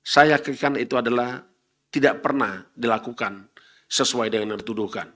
saya yakinkan itu adalah tidak pernah dilakukan sesuai dengan yang dituduhkan